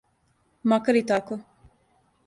Макар и тако.